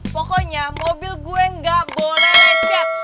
pokoknya mobil gue gak boleh lecet